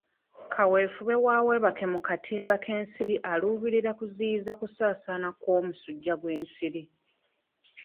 Kaweefube wa webake mu katimba k'ensiri aluubirira kuziyiza okusaasaana kw'omusujja gw'ensiri.